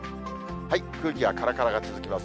空気がからからが続きます。